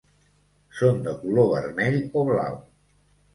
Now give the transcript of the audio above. Són de color vermell o blau.